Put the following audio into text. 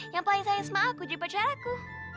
yang paling sayang sama aku jadi pacar aku